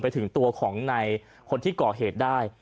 ถึงตัวของในคนที่ก่อเหตุได้